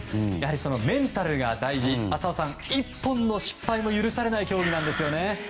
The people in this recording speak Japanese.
メンタルが大事浅尾さん、１本の失敗も許されない競技なんですよね。